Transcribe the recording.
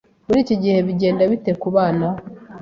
Muri iki gihe bigenda bite ku bana?